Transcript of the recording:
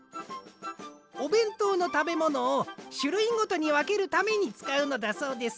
おべんとうのたべものをしゅるいごとにわけるためにつかうのだそうです。